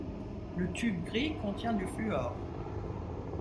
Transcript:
Le tube gris contient du fluor.